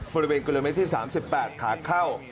บริเวณกิโลเมตรที่๓๘ขาเข้า